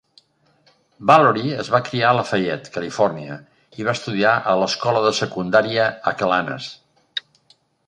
Valory es va criar a Lafayette, Califòrnia, i va estudiar a l'escola de secundària Acalanes.